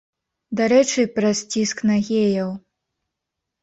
Дарэчы, праз ціск на геяў.